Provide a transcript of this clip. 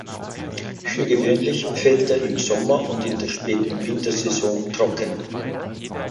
Für gewöhnlich fällt er im Sommer und in der späten Wintersaison trocken.